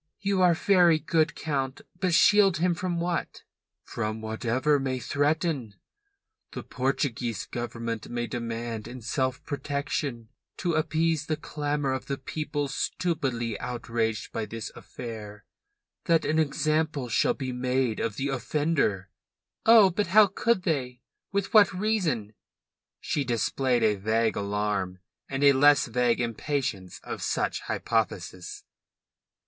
"You are very good, Count. But shield him from what?" "From whatever may threaten. The Portuguese Government may demand in self protection, to appease the clamour of the people stupidly outraged by this affair, that an example shall be made of the offender." "Oh, but how could they? With what reason?" She displayed a vague alarm, and a less vague impatience of such hypotheses.